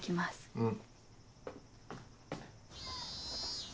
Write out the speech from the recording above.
うん。